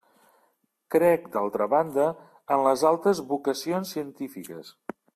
Crec, d'altra banda, en les altes vocacions científiques.